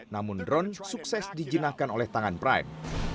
namun drone sukses dijinakkan oleh tangan prime